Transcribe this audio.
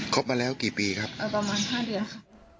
ครบมาแล้วกี่ปีครับประมาณห้าเดือนครับ